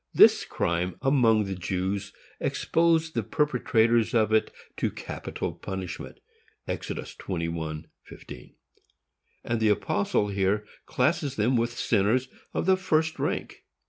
This crime among the Jews exposed the perpetrators of it to capital punishment, Exodus 21:15; and the apostle here classes them with sinners of the first rank.